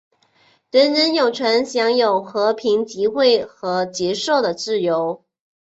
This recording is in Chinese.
人人有权享有和平集会和结社的自由。